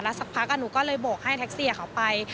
สักพักหนูก็เลยโบกให้แท็กซี่เขาไป